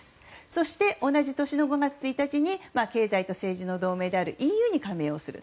そして、同じ年の５月１日に経済と政治の同盟であるＥＵに加盟をする。